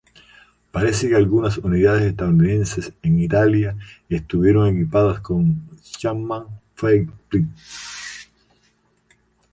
Parece que algunas unidades estadounidenses en Italia estuvieron equipadas con Sherman Firefly.